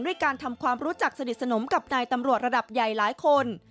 ด้วยการทำความรู้จักสนิทสนมกับนายตำรวจระดับใหญ่หลายคน